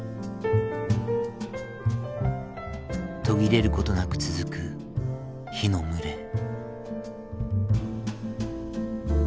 途切れることなく続く火の群れ。